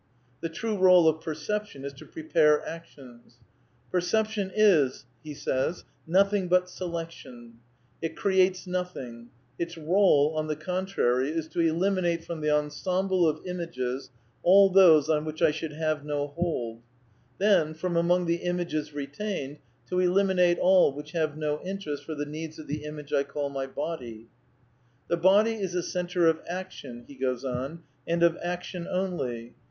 The true role of perception is to prepare actions. I^/ effeeption is but selection . It creates nothing; its role, on the con trary, Ts to eliminate from the ensemble of images all those on which I should have no hold ; then, from among the images re tained, to eliminate all which have no interest for the needs of the image I call my body." (Page 255.) " The body is a centre of action and of action only.